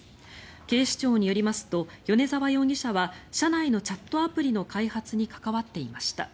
警視庁によりますと米沢容疑者は社内のチャットアプリの開発に関わっていました。